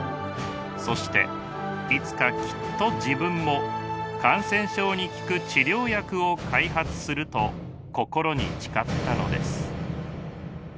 そしていつかきっと自分も感染症に効く治療薬を開発すると心に誓ったのです。